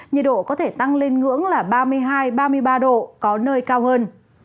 nhiệt độ có thể tăng lên ngưỡng là ba mươi hai ba mươi ba độ có nơi cao hơn